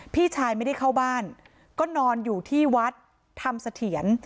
พี่ชายไม่ได้เข้าบ้านก็นอนอยู่ที่วัดธรรมเสถียร